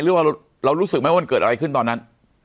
หรือว่าเรารู้สึกไหมว่ามันเกิดอะไรขึ้นตอนนั้น